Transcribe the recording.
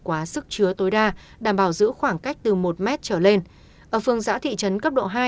quá sức chứa tối đa đảm bảo giữ khoảng cách từ một mét trở lên ở phường xã thị trấn cấp độ hai